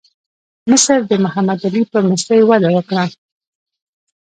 مصر د محمد علي په مشرۍ وده وکړه.